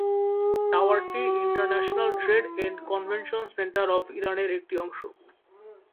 টাওয়ারটি "international trade and convention centre of ইরানের" একটি অংশ।